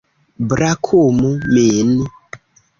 Brakumu min.